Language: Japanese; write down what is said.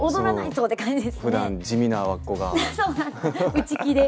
内気で。